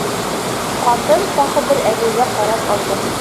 Ҡатын тағы бер әбейгә ҡарап алды.